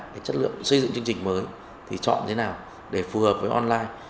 cái chất lượng xây dựng chương trình mới thì chọn thế nào để phù hợp với online